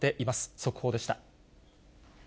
速報でした。